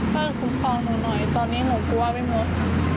ก็คุ้มฟองหนูหน่อยตอนนี้หนูกลัวไม่หมด